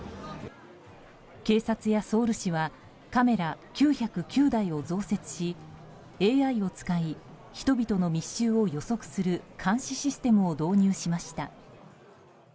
警察やソウル市はカメラ９０９台を増設しＡＩを使い人々の密集を予測する監視システムを導入しました。